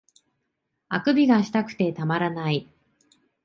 欠伸がしたくてたまらない